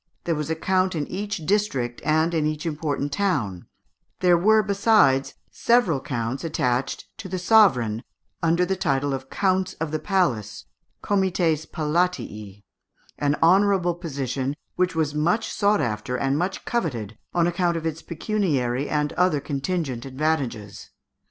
There was a count in each district and in each important town; there were, besides, several counts attached to the sovereign, under the title of counts of the palace (comites palatii), an honourable position, which was much sought after and much coveted on account of its pecuniary and other contingent advantages.